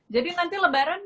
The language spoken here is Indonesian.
jadi nanti lebaran